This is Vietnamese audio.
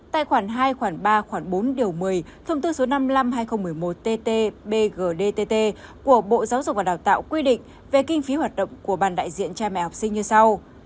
tại khoản hai khoản ba khoản bốn điều một mươi thông tư số năm trăm năm mươi hai nghìn một mươi một ttbgdtt của bộ giáo dục và đào tạo quy định về kinh phí hoạt động của ban đại diện cha mẹ học sinh như sau